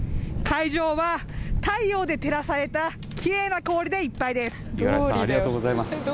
海上は太陽で照らされたきれいな氷でいっぱいです。